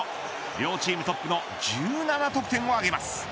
両チームトップの１７得点を挙げます。